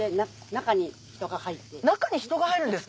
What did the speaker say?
中に人が入るんですか？